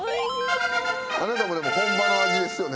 あなたもでも本場の味ですよねたぶんね。